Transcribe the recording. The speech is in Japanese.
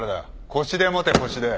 腰で持て腰で。